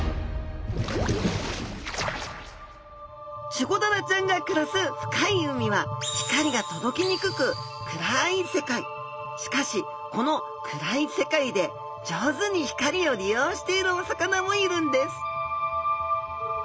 チゴダラちゃんが暮らす深い海はしかしこの暗い世界で上手に光を利用しているお魚もいるんです！